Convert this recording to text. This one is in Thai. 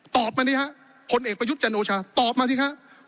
ตอบมาสิครับคนเอกประยุทธแจนโอชาตอบมาสิครับ